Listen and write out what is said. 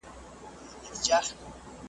نه به زه یم نه به ته نه دا وطن وي .